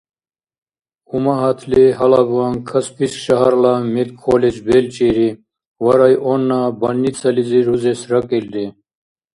Умагьатли гьалабван Каспийск шагьарла медколледж белчӀири ва районна больницализи рузес ракӀилри.